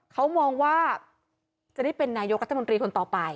เขามองว่าจะได้เป็นนายกรัฐมนตรีคนต่อไป